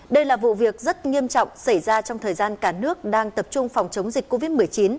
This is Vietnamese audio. đây là vụ việc rất nghiêm trọng xảy ra trong thời gian cả nước đang tập trung phòng chống dịch covid một mươi chín